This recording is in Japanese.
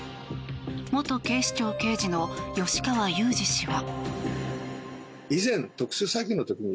元警視庁刑事の吉川祐二氏は。